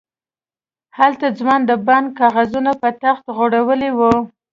هلته ځوان د بانک کاغذونه په تخت غړولي وو.